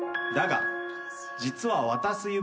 だが実は。